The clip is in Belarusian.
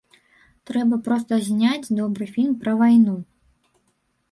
Трэба проста зняць добры фільм пра вайну!